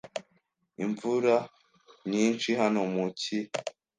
Imvura nyinshi hano mu cyi.